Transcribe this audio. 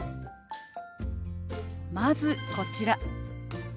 まずこちら。